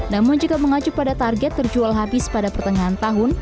namun jika mengacu pada target terjual habis pada pertengahan tahun